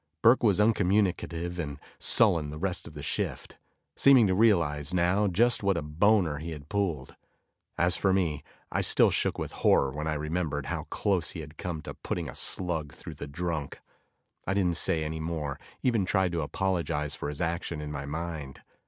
Burke was uncommunicative and sullen the rest of the shift, seeming to realize now just what a boner he had pulled. As for me, I still shook with horror when I remembered how close he had come to putting a slug through the drunk. I didn't say any more, even tried to apologize for his action in my mind.